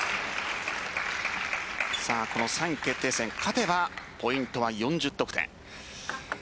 この３位決定戦、勝てばポイントは４０得点。